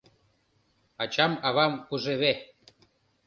Ачам-авам ужеве.